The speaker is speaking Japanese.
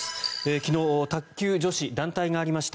昨日卓球女子団体がありました。